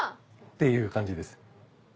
ていう感じです。